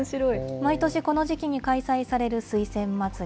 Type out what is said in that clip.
毎年この時期に開催される水仙まつり。